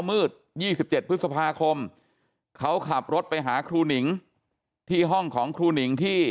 มืด๒๗พฤษภาคมเขาขับรถไปหาครูหนิงที่ห้องของครูหนิงที่